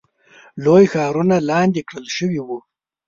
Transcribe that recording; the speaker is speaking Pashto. لوی ښارونه لاندې کړل شوي وو.